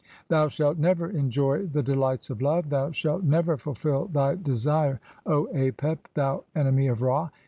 "(11) Thou shalt never enjoy the delights of love, thou shalt "never fulfil thy desire, O Apep, thou Enemy of Ra !